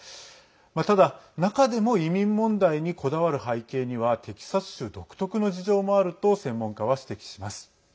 ただ、中でも移民問題にこだわる背景にはテキサス州独特の事情もあると専門家は指摘します。